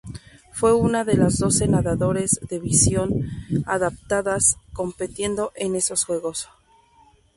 Fue una de los doce nadadores de visión adaptada compitiendo en esos Juegos.